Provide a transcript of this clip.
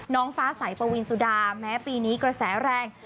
น้องฟ้าใสปวีนสุดาแม้ปีนี้กระแสแรง